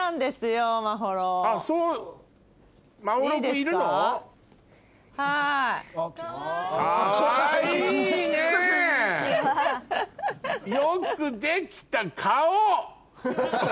よくできた顔！